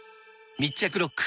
密着ロック！